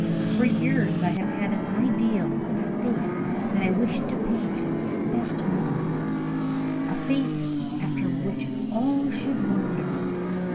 For years I have had an ideal of a face that I wished to paint in my best mood: a face after which all should wonder.